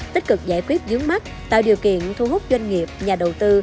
tích cực giải quyết dướng mắt tạo điều kiện thu hút doanh nghiệp nhà đầu tư